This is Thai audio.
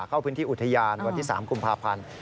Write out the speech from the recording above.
เข้าพื้นที่อุทยานวันที่๓กุมภาพันธ์